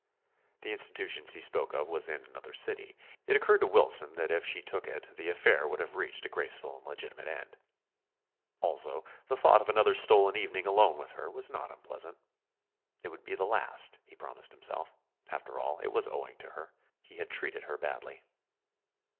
The institution she spoke of was in another city. It occurred to Wilson that if she took it the affair would have reached a graceful and legitimate end. Also, the thought of another stolen evening alone with her was not unpleasant. It would be the last, he promised himself. After all, it was owing to her. He had treated her badly.